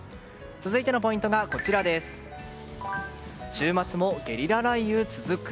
続いてのポイントは週末もゲリラ雷雨続く。